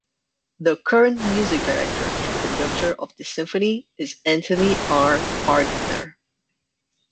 The current Music Director and Conductor of the symphony is Anthony R. Parnther.